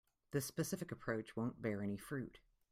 This specific approach won't bear any fruit.